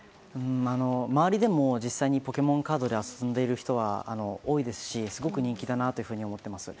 周りでも実際にポケモンカードで遊んでいる人は多いですしすごく人気だなと思っています。